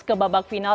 ke babak final